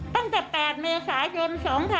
ตั้งแต่๘เมษายน๒๕๖๒